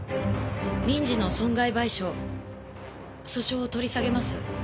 民事の損害賠償訴訟を取り下げます。